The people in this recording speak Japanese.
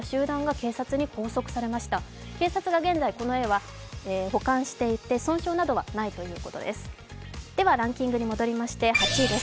警察が現在、この絵は保管していて損傷などはないということです。